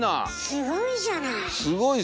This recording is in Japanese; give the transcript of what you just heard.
すごいじゃない！